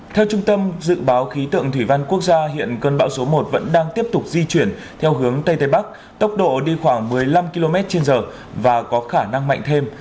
theo trung tâm dự báo khí tượng thủy văn quốc gia hiện cơn bão số một vẫn đang tiếp tục di chuyển theo hướng tây tây bắc tốc độ đi khoảng một mươi năm km trên giờ và có khả năng mạnh thêm